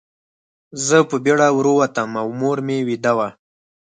زه په بېړه ور ووتم او مور مې ویده وه